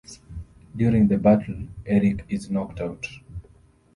During the battle, Erik is knocked out.